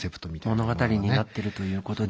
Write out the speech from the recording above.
物語になってるということで。